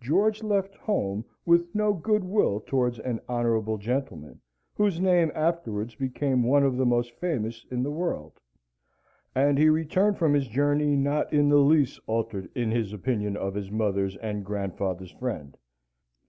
George left home with no goodwill towards an honourable gentleman, whose name afterwards became one of the most famous in the world; and he returned from his journey not in the least altered in his opinion of his mother's and grandfather's friend.